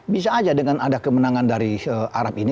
bisa aja dengan ada kemenangan dari arab ini